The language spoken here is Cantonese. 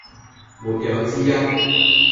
沒有之一